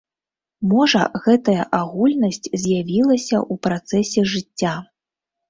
Можа гэтая агульнасць з'явілася ў працэсе жыцця.